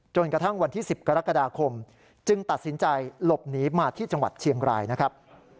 กระทั่งวันที่๑๐กรกฎาคมจึงตัดสินใจหลบหนีมาที่จังหวัดเชียงรายนะครับ